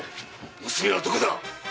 娘はどこだ。